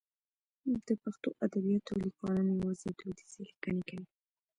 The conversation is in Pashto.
د پښتو ادبیاتو لیکوالان یوازې دودیزې لیکنې کوي.